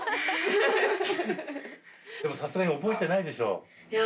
でもさすがに覚えてないでしょ？